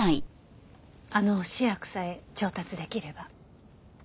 あの試薬さえ調達出来れば。